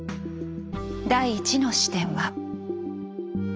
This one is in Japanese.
第１の視点は。